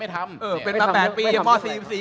คุณเขตรัฐพยายามจะบอกว่าโอ้เลิกพูดเถอะประชาธิปไตย